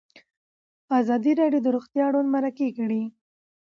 ازادي راډیو د روغتیا اړوند مرکې کړي.